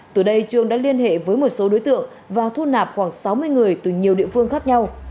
từ đây trường đã liên hệ với một số đối tượng và thu nạp khoảng sáu mươi người từ nhiều địa phương khác nhau